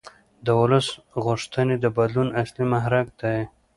د ولس غوښتنې د بدلون اصلي محرک دي